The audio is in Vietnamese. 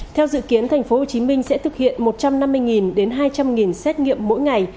theo dự kiến tp hồ chí minh sẽ thực hiện một trăm năm mươi đến hai trăm linh xét nghiệm mỗi ngày